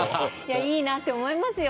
いいなと思いますよ。